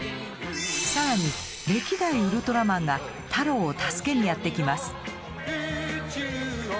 更に歴代ウルトラマンがタロウを助けにやって来ます。